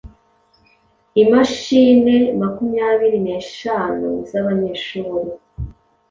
imashine makumyabiri neshanu z’abanyeshuri